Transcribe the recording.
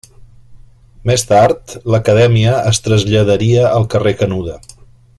Més tard, l'acadèmia es traslladaria al carrer Canuda.